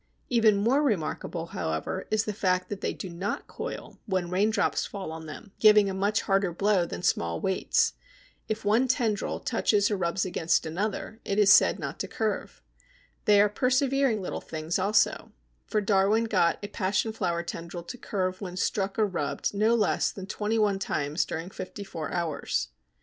Even more remarkable, however, is the fact that they do not coil when raindrops fall on them, giving a much harder blow than small weights. If one tendril touches or rubs against another, it is said not to curve. They are persevering little things also, for Darwin got a passion flower tendril to curve when struck or rubbed no less than twenty one times during fifty four hours.